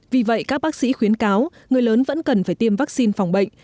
vì vậy các bác sĩ khuyến cáo người lớn vẫn cần phải tiêm vaccine phòng bệnh